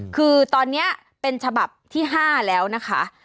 คือตอนนี้เป็นฉบับที่๕แล้วนะคะ